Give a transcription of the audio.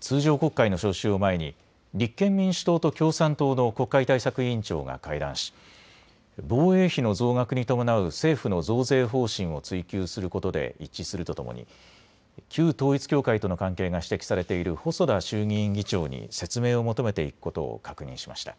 通常国会の召集を前に立憲民主党と共産党の国会対策委員長が会談し防衛費の増額に伴う政府の増税方針を追及することで一致するとともに旧統一教会との関係が指摘されている細田衆議院議長に説明を求めていくことを確認しました。